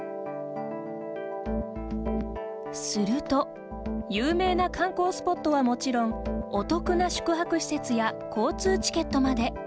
すると有名な観光スポットはもちろんお得な宿泊施設や交通チケットまで。